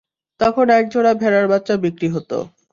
তখন একজোড়া ভেড়ার বাচ্চা বিক্রি হত।